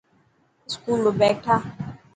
اسڪول رو بيگ ٺاهه.